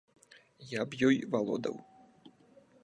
Я б ёй валодаў.